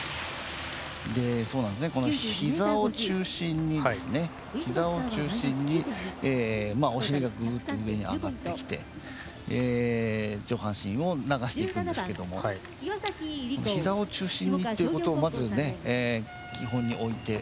この、ひざを中心にお尻がグーッと上に上がってきて上半身を流していくんですけどもひざを中心にっていうことをまず基本に置いて。